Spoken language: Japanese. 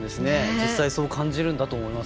実際そう感じるんだと思います。